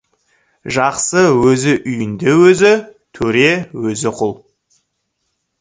Жақсы өз үйінде өзі — төре, өзі — құл.